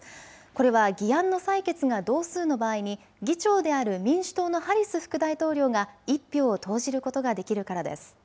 これは議案の採決が同数の場合に議長である民主党のハリス副大統領が１票を投じることができるからです。